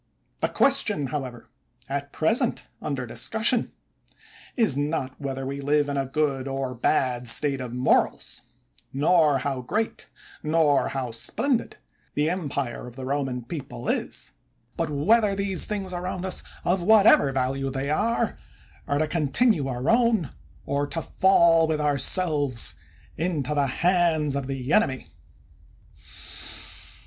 The question, however, at present under discussion, is not whether we live in a good or bad state of morals ; nor how great, nor how splendid, the empire of the Roman people is; but whether these things around us, of whatever value they are, are to con tinue our own, or to fall, with ourselves, into the hands of the enemy.